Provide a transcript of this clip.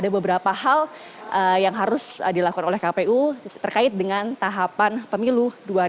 ada beberapa hal yang harus dilakukan oleh kpu terkait dengan tahapan pemilu dua ribu dua puluh